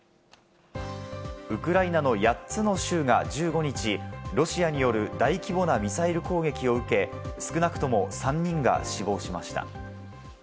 ウクライナの８つの州が１５日、ロシアによる大規模なミサイル攻撃を受け、少なくとも３人が死亡しました。